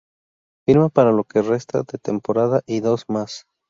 Firma para lo que resta de temporada y dos más.